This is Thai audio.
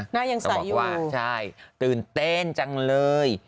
หน้ายังใสอยู่ใช่ตื่นเต้นจังเลย